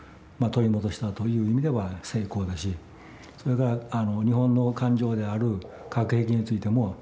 取り戻したという意味では成功だしそれから日本の感情である核兵器についても撤去させたと。